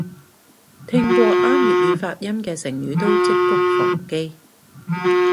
聽過啱粵語發音嘅成語得織菊防基